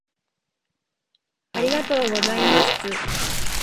ありがとうございますつ